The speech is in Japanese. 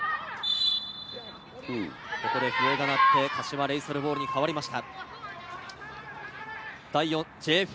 ここで笛が鳴って柏レイソルボールに変わりました。